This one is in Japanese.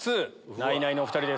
ナイナイのお２人です。